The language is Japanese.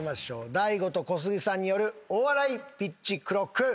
大悟と小杉さんによるお笑いピッチクロック。